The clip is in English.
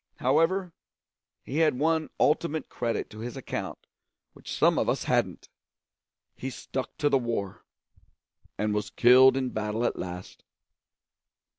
However, he had one ultimate credit to his account which some of us hadn't: he stuck to the war, and was killed in battle at last.